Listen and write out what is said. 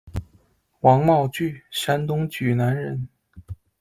王茂聚，山东莒南人。